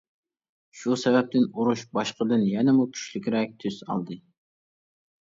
شۇ سەۋەبتىن ئۇرۇش باشقىدىن يەنىمۇ كۈچلۈكرەك تۈس ئالدى.